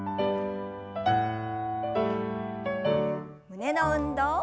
胸の運動。